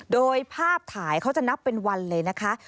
โดยภาพถ่ายเขาจะนับเป็นวันเลยนะคะ